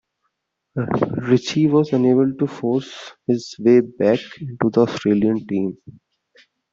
Ritchie was unable to force his way back into the Australian team.